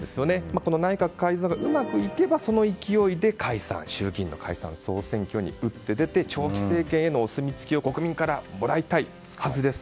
内閣改造がうまくいけばその勢いで解散、衆議院の解散・総選挙に打って出て長期政権へのお墨付きを国民からもらいたいはずです。